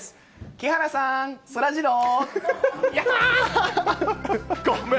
木原さん、そらジロー。